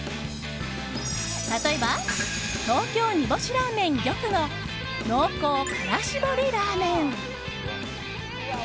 例えば東京煮干しらーめん玉の濃厚辛搾りラーメン。